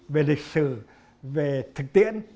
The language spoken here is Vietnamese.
về lịch sử về thực tiễn